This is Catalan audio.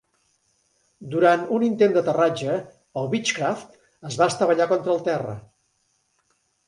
Durant un intent d'aterratge, el Beechcraft es va estavellar contra el terra.